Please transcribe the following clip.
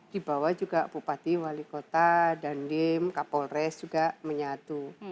di bawah juga bupati wali kota dandim kapolres juga menyatu